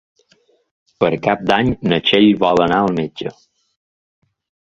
Per Cap d'Any na Txell vol anar al metge.